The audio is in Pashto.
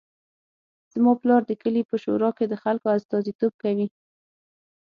زما پلار د کلي په شورا کې د خلکو استازیتوب کوي